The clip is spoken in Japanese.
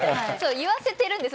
言わせてるんです